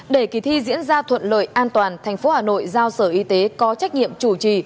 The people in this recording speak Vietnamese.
để kỳ thi diễn ra thuận lợi an toàn thành phố hà nội giao sở y tế có trách nhiệm chủ trì